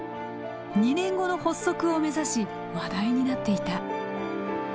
２年後の発足を目指し話題になっていた。